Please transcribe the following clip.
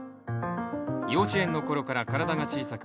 幼稚園の頃から体が小さく